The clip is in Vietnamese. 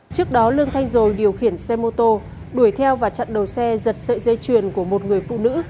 trước đó lương thanh rồi điều khiển xe mô tô đuổi theo và chặn đầu xe giật sợi dây chuyền của một người phụ nữ